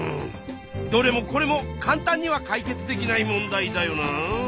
どれもこれも簡単には解決できない問題だよな。